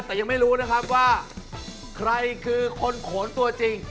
แต่ยังไม่รู้นะครับว่าใครคือคนโขนตัวจริง